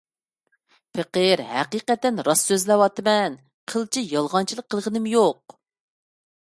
پېقىر ھەقىقەتەن راست سۆزلەۋاتىمەن، قىلچە يالغانچىلىق قىلغىنىم يوق.